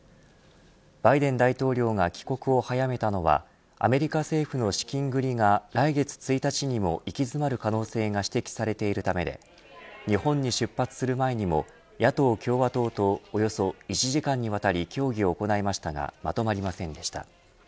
バイデン大統領が帰国を早めたのはアメリカ政府の資金繰りが来月１日にも行き詰まる可能性が指摘されているためで日本に出発する前にも野党・共和党とおよそ１時間にわたり協議を行いましたがまとまりませんでした。